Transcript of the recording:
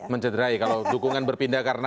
mencederai kalau dukungan berpindah karena